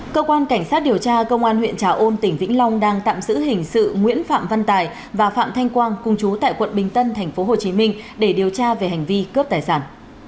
cơ quan cảnh sát điều tra công an huyện trà ôn tỉnh vĩnh long đang tạm giữ hình sự nguyễn phạm văn tài và phạm thanh quang cung chú tại quận bình tân tp hcm để điều tra về hành vi cướp tài sản